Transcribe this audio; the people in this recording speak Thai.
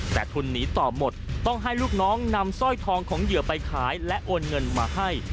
แต่ทุนหนีต่อหมดต้องให้ลูกน้องนำสร้อยทองของเหยื่อไปขายและโอนเงินมาให้